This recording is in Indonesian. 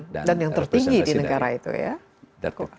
dan yang tertinggi di negara itu ya